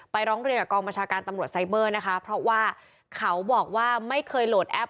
ร้องเรียนกับกองบัญชาการตำรวจไซเบอร์นะคะเพราะว่าเขาบอกว่าไม่เคยโหลดแอป